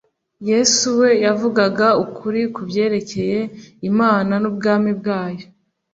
yesu we yavugaga ukuri ku byerekeye imana n ubwami bwayo